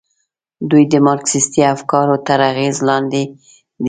دوی د مارکسیستي افکارو تر اغېز لاندې دي.